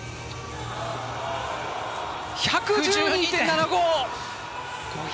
１１２．７５！